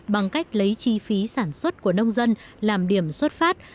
bằng cách lấy chi phí sản xuất của nông dân làm điểm xuất phát